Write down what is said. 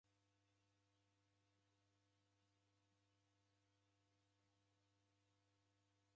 W'andu w'a hachi kwa kunughia sharia ndew'iko kwa mvono.